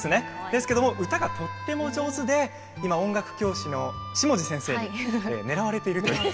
でも歌がとても上手で今、音楽教師の下地先生にねらわれているという。